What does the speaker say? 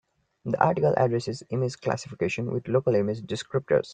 The article addresses image classification with local image descriptors.